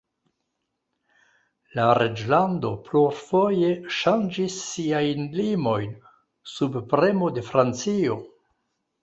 La reĝlando plurfoje ŝanĝis siajn limojn, sub premo de Francio.